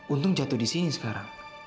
untung jatuh di sini sekarang